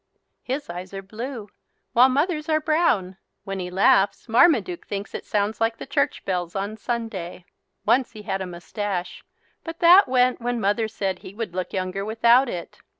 His eyes are blue, while mother's are brown. When he laughs, Marmaduke thinks it sounds like the church bells on Sunday. Once he had a moustache but that went when mother said he would look younger without it.